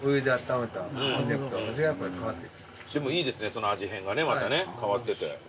その味変がねまたね変わってて。